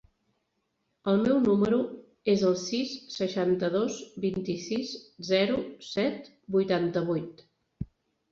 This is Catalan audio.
El meu número es el sis, seixanta-dos, vint-i-sis, zero, set, vuitanta-vuit.